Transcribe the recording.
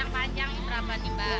yang panjang berapa nih mbak